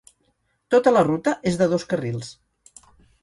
Tota la ruta és de dos carrils.